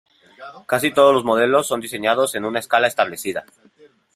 Casi todos los modelos son diseñados en una escala establecida.